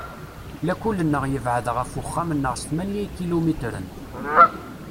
Lakul-nneɣ yebɛed ɣef uxxam-nneɣ s tmanya ikilumitren.